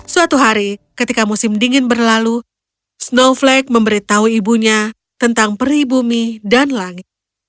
suatu hari ketika musim dingin berlalu snowflake memberitahu ibunya tentang peribumi dan langit